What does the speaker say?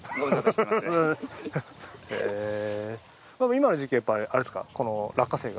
今の時期やっぱりあれですか？